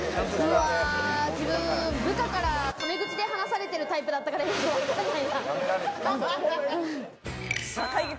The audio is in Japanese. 自分、部下からタメ口で話されてるタイプだったから、よくわからないな。